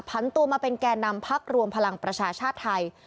พันตัวมาเป็นแก่นำพักรวมพลังประชาชาติไทย